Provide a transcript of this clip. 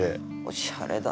おしゃれ。